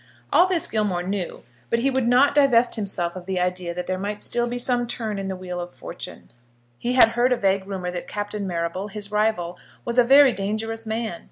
All this Gilmore knew, but he would not divest himself of the idea that there might still be some turn in the wheel of fortune. He had heard a vague rumour that Captain Marrable, his rival, was a very dangerous man.